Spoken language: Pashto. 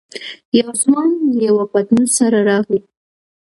يو ځوان له يوه پتنوس سره راغی.